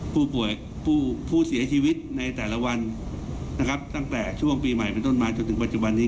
ผู้เสียชีวิตในแต่ละวันนะครับตั้งแต่ช่วงปีใหม่เป็นต้นมาจนถึงปัจจุบันนี้